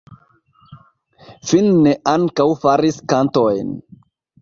Finne ankaŭ faris kantojn.